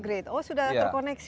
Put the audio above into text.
great oh sudah terkoneksi